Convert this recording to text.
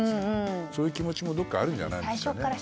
そういう気持ちもどこかにあるんじゃないですかね。